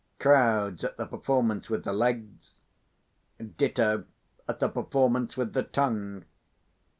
Crowds at the performance with the legs. Ditto at the performance with the tongue.